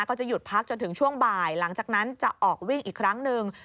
ก็จะหยุดพักจนถึงช่วงบ่ายหลังจากนั้นจะออกวิ่งอีกครั้งหนึ่ง